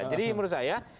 jadi menurut saya